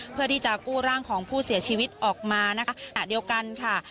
เพื่อที่จะกู้ร่างของผู้เสียชีวิตออกมานะคะก่อนจากนั้นเหมือนกันค่ะ